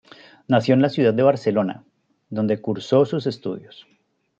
Nació en la ciudad de Barcelona, donde cursó sus estudios.